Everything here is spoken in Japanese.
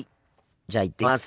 じゃあ行ってきます。